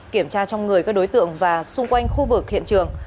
kiểm tra trong người các đối tượng và xung quanh khu vực hiện trường